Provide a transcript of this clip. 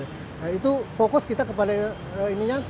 nah itu fokus kita kepada ininya